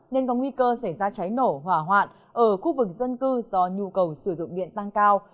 nên có nguy cơ xảy ra cháy nổ hỏa hoạn ở khu vực dân cư do nhu cầu sử dụng điện tăng cao